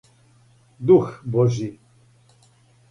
дух Божји